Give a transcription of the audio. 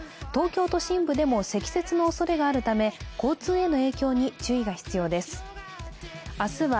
東京都心部でも積雪のおそれがあるため交通への影響に注意が必要です。